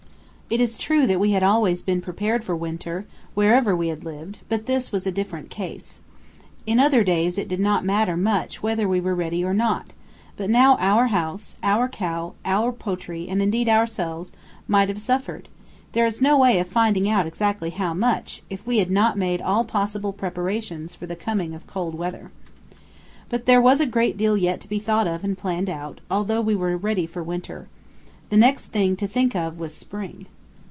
It is true that we had always been prepared for winter, wherever we had lived; but this was a different case. In other days it did not matter much whether we were ready or not; but now our house, our cow, our poultry, and indeed ourselves, might have suffered, there is no way of finding out exactly how much, if we had not made all possible preparations for the coming of cold weather. But there was a great deal yet to be thought of and planned out, although we were ready for winter. The next thing to think of was spring.